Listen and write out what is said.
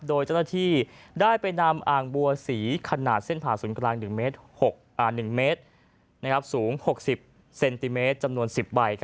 โดยเจ้าหน้าที่ได้ไปนำอ่างบัวสีขนาดเส้นผ่าศูนย์กลาง๑เมตรสูง๖๐เซนติเมตรจำนวน๑๐ใบ